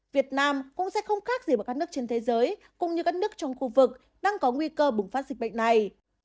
việt nam cũng sẽ không khác gì ở các nước trên thế giới cũng như các nước trong khu vực đang có nguy cơ bùng phát dịch bệnh này